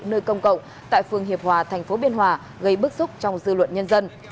nơi công cộng tại phường hiệp hòa tp biên hòa gây bức xúc trong dư luận nhân dân